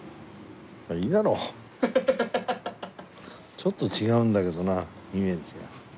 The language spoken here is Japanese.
ちょっと違うんだけどなイメージが。